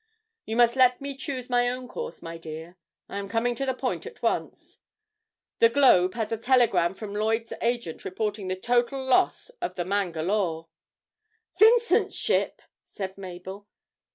'You must let me choose my own course, my dear; I am coming to the point at once. The "Globe" has a telegram from Lloyd's agent reporting the total loss of the "Mangalore."' 'Vincent's ship!' said Mabel.